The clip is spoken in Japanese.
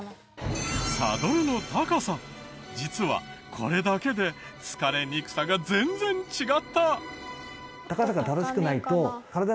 サドルの高さ実はこれだけで疲れにくさが全然違った！